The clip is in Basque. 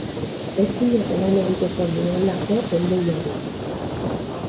Ez dinat lan egiteko neholako enbeiarik.